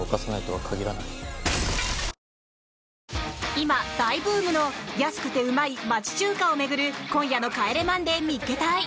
今、大ブームの安くてうまい町中華を巡る今夜の「帰れマンデー見っけ隊！！」。